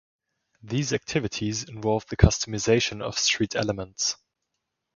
These activities involve the customization of street elements.